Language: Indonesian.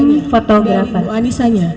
dari ibu anissanya